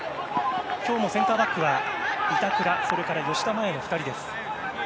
今日もセンターバックは板倉、吉田麻也の２人です。